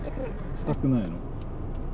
したくないの？